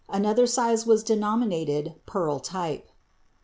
Another size was denominated "pearl type."